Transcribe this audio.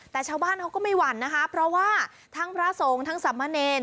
แต่ชาวบ้านเขาก็ไม่หวั่นนะคะเพราะว่าทั้งพระสงฆ์ทั้งสามเณร